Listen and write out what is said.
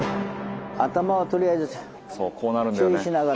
頭をとりあえず注意しながらね。